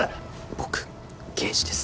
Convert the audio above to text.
僕刑事です。